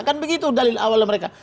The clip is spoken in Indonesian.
kan begitu dalil awal mereka